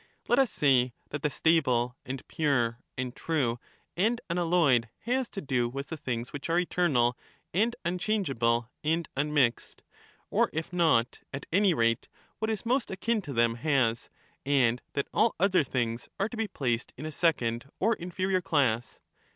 Let us say that the stable and pure and true and Being con unalloyed has to do with the things which are eternal and ^^^^^1^ unchangeable and unmixed, or if not, at any rate what is and un most akin to them has; and that all other things are to be ]f^^^^^' placed in a second or inferior class.